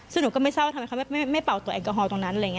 ซึ่งหนูก็ไม่เศร้าทำไมเขาไม่เป่าตัวแอลกอฮอล์ตรงนั้น